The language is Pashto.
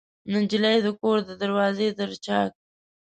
نجلۍ د کور د دروازې تر چاک